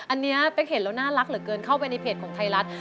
อันนี้เป๊กเห็นแล้วน่ารักเหลือเกินเข้าไปในเพจของไทยรัฐ